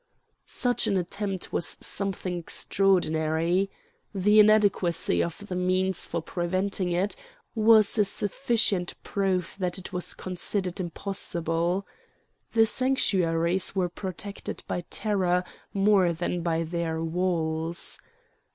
Such an attempt was something extraordinary. The inadequacy of the means for preventing it was a sufficient proof that it was considered impossible. The sanctuaries were protected by terror more than by their walls.